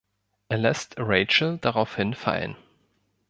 Er lässt Rachel daraufhin fallen.